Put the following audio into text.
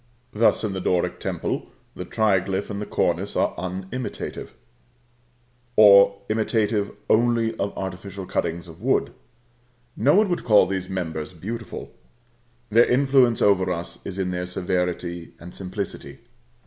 Thus, in the Doric temple, the triglyph and cornice are unimitative; or imitative only of artificial cuttings of wood. No one would call these members beautiful. Their influence over us is in their severity and simplicity.